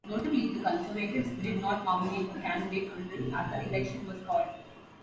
Notably, the Conservatives did not nominate a candidate until after the election was called.